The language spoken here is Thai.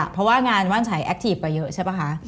เพราะว่างานว่านใช้แอคทีฟกว่าเยอะใช่ป่ะคะ